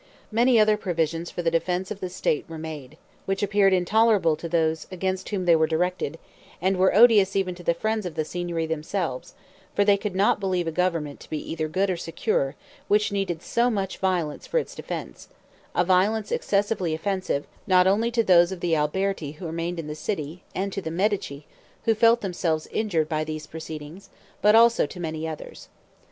Many other provisions for the defense of the state were made, which appeared intolerable to those against whom they were directed, and were odious even to the friends of the Signory themselves, for they could not believe a government to be either good or secure, which needed so much violence for its defense, a violence excessively offensive, not only to those of the Alberti who remained in the city, and to the Medici, who felt themselves injured by these proceedings, but also to many others.